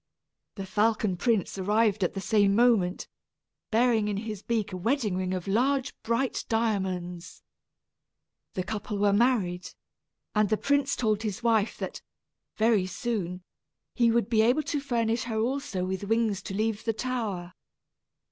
The falcon prince arrived at the same moment, bearing in his beak a wedding ring of large bright diamonds. The couple were married, and the prince told his wife that, very soon, he would be able to furnish her also with wings to leave the tower.